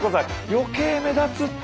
余計目立つって！